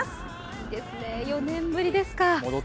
いいですね、４年ぶりですか。